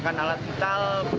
dan lebar sepuluh meter